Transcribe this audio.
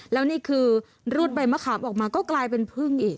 แล้วนี่คือรูดใบมะขามออกมาก็กลายเป็นพึ่งอีก